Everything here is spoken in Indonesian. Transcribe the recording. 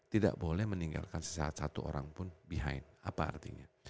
tidak boleh meninggalkan satu orang pun behind apa artinya